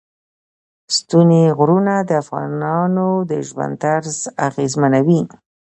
ستوني غرونه د افغانانو د ژوند طرز اغېزمنوي.